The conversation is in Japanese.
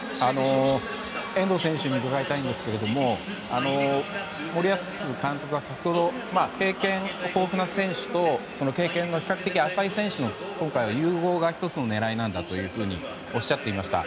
遠藤選手に伺いたいんですが森保監督は先ほど、経験豊富な選手と経験が比較的浅い選手の融合が１つの狙いなんだとおっしゃっていました。